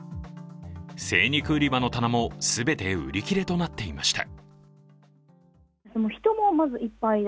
精肉売り場の棚も全て売り切れとなっていました。